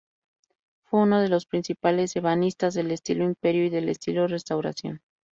Fue uno de los principales ebanistas del estilo Imperio y del estilo Restauración.